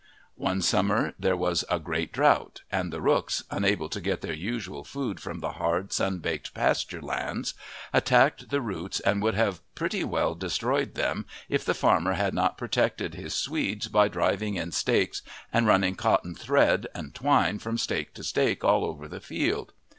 One summer there was a great drought, and the rooks, unable to get their usual food from the hard, sun baked pasture lands, attacked the roots and would have pretty well destroyed them if the farmer had not protected his swedes by driving in stakes and running cotton thread and twine from stake to stake all over the field.